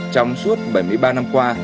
trong suốt bảy mươi năm năm